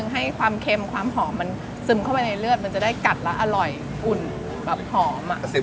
ให้ความเค็มความหอมมันซึมเข้าไปในเลือดมันจะได้กัดแล้วอร่อยอุ่นแบบหอม